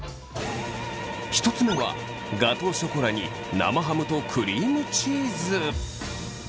１つ目はガトーショコラに生ハムとクリームチーズ。